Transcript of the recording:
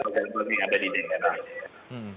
ada di lokal ada di daerah